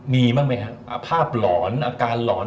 มีบ้างมั้ยฮะอภาพหลอนอาการหลอน